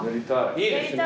いいですね。